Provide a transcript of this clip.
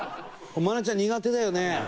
愛菜ちゃん苦手だよね？